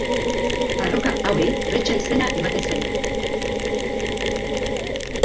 Arroka hauei bretxa izena ematen zaie.